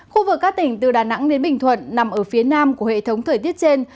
khu vực các tỉnh từ đà nẵng đến bình thuận nằm ở phía nam của hệ thống thời tiết trên